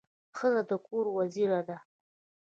ښځه د کور وزیره ده.